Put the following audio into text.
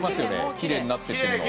きれいになっていってるの。